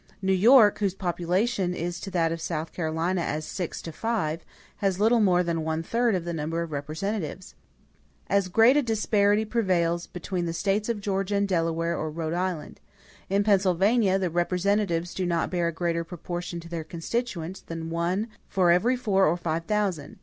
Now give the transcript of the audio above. New York, whose population is to that of South Carolina as six to five, has little more than one third of the number of representatives. As great a disparity prevails between the States of Georgia and Delaware or Rhode Island. In Pennsylvania, the representatives do not bear a greater proportion to their constituents than of one for every four or five thousand.